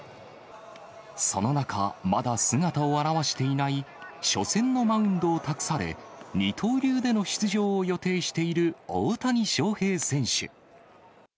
その中、まだ姿を現していない、初戦のマウンドを託され、二刀流での出場を予定している大谷翔平選手。